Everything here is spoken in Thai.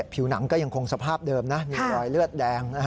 ผิวหนังก็ยังคงสภาพเดิมนะมีรอยเลือดแดง